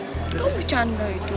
engga bukan bercanda itu